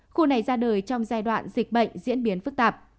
khu này ra đời trong giai đoạn dịch bệnh diễn biến phức tạp